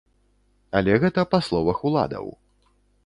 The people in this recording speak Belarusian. Але гэта па словах уладаў.